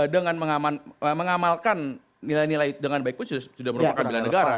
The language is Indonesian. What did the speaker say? dengan mengamalkan nilai nilai dengan baik pun sudah merupakan bela negara